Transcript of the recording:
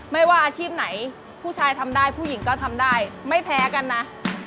ไม่ว่าอาชีพไหนผู้ชายทำได้ผู้หญิงก็ทำได้ไม่แพ้กันนะ